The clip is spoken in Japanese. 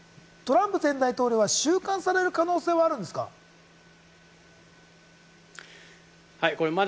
トランプ前大統領は収監される可能性はあるんですか？